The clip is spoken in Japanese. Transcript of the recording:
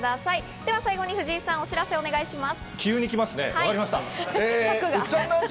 では最後に藤井さん、お知らせをお願いします。